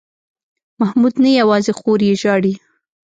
محمود نه یوازې خور یې ژاړي.